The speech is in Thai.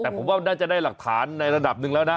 แต่ผมว่าน่าจะได้หลักฐานในระดับหนึ่งแล้วนะ